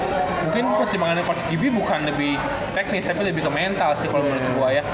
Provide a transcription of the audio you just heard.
mungkin pertimbangannya march gb bukan lebih teknis tapi lebih ke mental sih kalau menurut gue ya